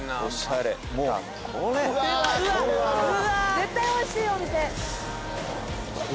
絶対美味しいお店！